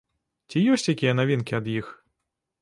Ці ёсць якія навінкі ад іх?